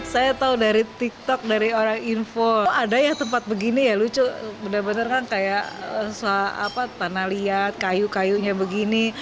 saya tahu dari tiktok dari orang info ada ya tempat begini ya lucu bener bener kan kayak tanah liat kayu kayunya begini